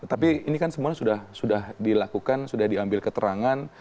tapi ini kan semua sudah dilakukan sudah diambil keterangan